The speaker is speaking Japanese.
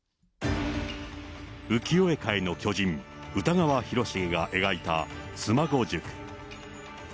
浮世絵界の巨人、歌川広重が描いた妻籠宿。